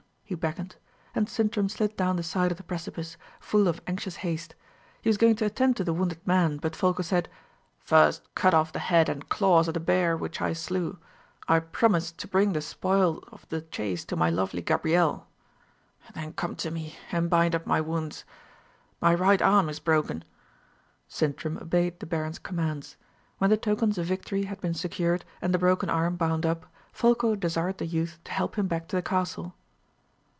he beckoned; and Sintram slid down the side of the precipice, full of anxious haste. He was going to attend to the wounded man, but Folko said, "First cut off the head and claws of the bear which I slew. I promised to bring the spoils of the chase to my lovely Gabrielle. Then come to me, and bind up my wounds. My right arm is broken." Sintram obeyed the baron's commands. When the tokens of victory had been secured, and the broken arm bound up, Folko desired the youth to help him back to the castle.